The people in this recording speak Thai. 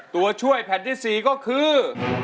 ตัวช่วยแผ่นที่๔ก็คือ